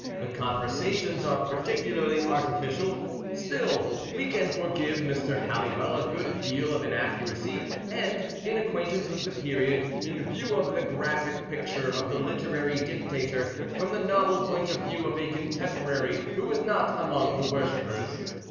The conversations are particularly artificial. Still, we can forgive Mr. Halliwell a good deal of inaccuracy and inacquaintance with the period, in view of the graphic picture of the literary dictator from the novel point of view of a contemporary who was not among the worshippers.